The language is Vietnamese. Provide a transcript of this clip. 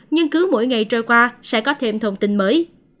nhưng cứ mỗi ngày trôi qua sẽ có thêm thông tin mới